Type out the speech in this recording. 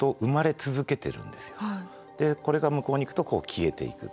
でこれが向こうに行くと消えていく。